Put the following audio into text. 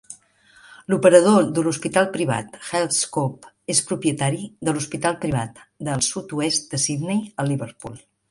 L'operador de l'hospital privat Healthscope és propietari de l'Hospital Privat de el Sud-oest de Sydney a Liverpool.